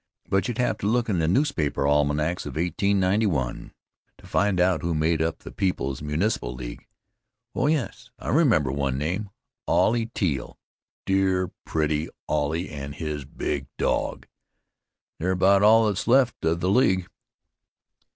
But you'd have to look in the newspaper almanacs of 1891 to find out who made up the People's Municipal League. Oh, yes! I remember one name: Ollie Teall; dear, pretty Ollie and his big dog. They're about all that's left of the League.